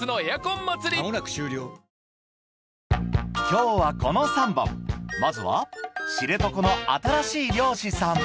今日はこの３本まずは「知床の新しい漁師さん」